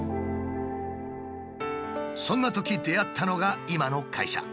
そんなとき出会ったのが今の会社。